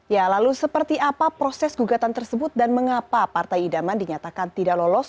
ya lalu seperti apa proses gugatan tersebut dan mengapa partai idaman dinyatakan tidak lolos